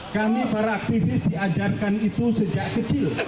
kami para aktivis diajarkan itu sejak kecil